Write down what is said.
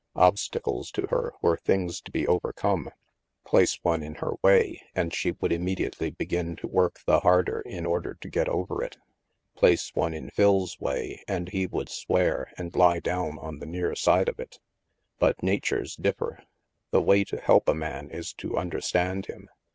Obstacles, to her, were things to be overcome. Place one in her way, and she would immediately begin to work the harder, in order to get over it. Place one in Phil's way, and he would swear, and lie down on the near side of it But natures differ. The way to help a man is to understand him.